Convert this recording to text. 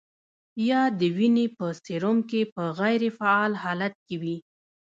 یا د وینې په سیروم کې په غیر فعال حالت کې وي.